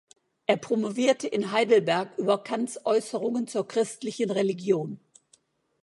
Er promovierte in Heidelberg über Kants Äußerungen zur christlichen Religion.